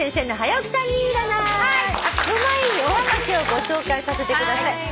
の前におはがきをご紹介させてください。